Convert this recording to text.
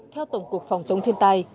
theo tổng cục phòng chống thiên tai